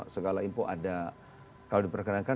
segala info ada kalau diperkenankan